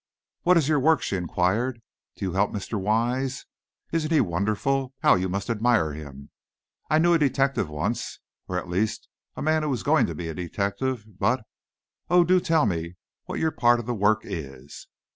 "What is your work?" she inquired; "do you help Mr. Wise? Isn't he wonderful! How you must admire him. I knew a detective once, or, at least, a man who was going to be a detective, but Oh, do tell me what your part of the work is!"